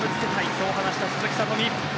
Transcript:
そう話した鈴木聡美。